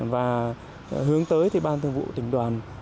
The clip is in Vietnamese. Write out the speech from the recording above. và hướng tới thì ban thường vụ tỉnh đoàn